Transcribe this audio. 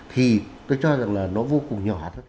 thì tôi cho rằng là nó vô cùng nhỏ